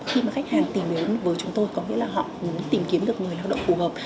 khi mà khách hàng tìm đến với chúng tôi có nghĩa là họ muốn tìm kiếm được người lao động phù hợp